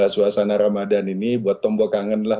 suasana ramadan ini buat tombok kangen lah